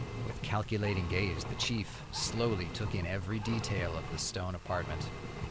With calculating gaze the chief slowly took in every detail of the stone apartment.